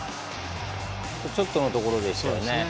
あとちょっとのところでしたよね。